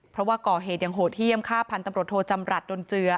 เพราะว่าก่อเหตุอย่างโหดเยี่ยมฆ่าพันธุ์ตำรวจโทจำรัฐดนเจือ